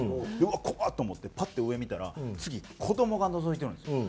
うわ怖っ！と思ってパッて上見たら次子どもがのぞいてるんですよ。